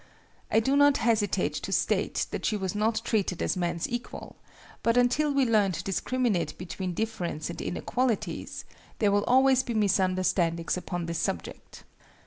I do not hesitate to state that she was not treated as man's equal; but until we learn to discriminate between difference and inequalities, there will always be misunderstandings upon this subject.